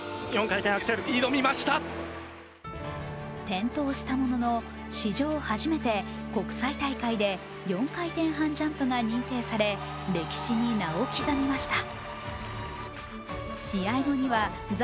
転倒したものの、史上初めて国際大会で４回転半ジャンプが認定され歴史に名を刻みました。